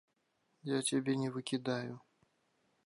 Я цябе не выкідаю.